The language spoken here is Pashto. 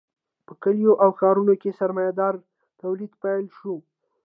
په کلیو او ښارونو کې سرمایه داري تولید پیل شو.